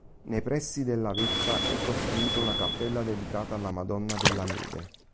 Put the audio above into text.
Nei pressi della vetta è costruito una cappella dedicata alla Madonna della Neve.